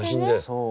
そう。